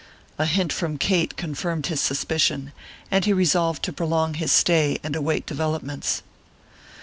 A hint from Kate confirmed his suspicion, and he resolved to prolong his stay and await developments.